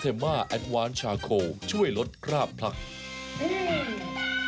โอ้โหยรถคราบพักเออ